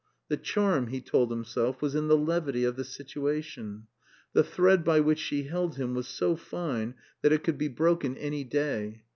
The charm, he told himself, was in the levity of the situation. The thread by which she held him was so fine that it could be broken any day.